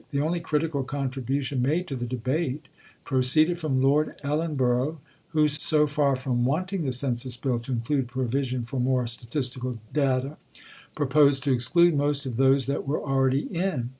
The only critical contribution made to the debate proceeded from Lord Ellenborough, who, so far from wanting the Census Bill to include provision for more statistical data, proposed to exclude most of those that were already in.